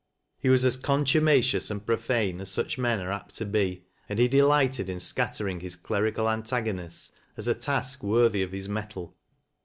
He was as contuma cious and profane as such men are apt to be, and he delighted in scattering his clerical antagonists as a tafk worthy of his mettle.